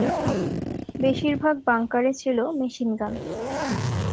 বেশির ভাগ বাংকারে ছিল মেশিনগান।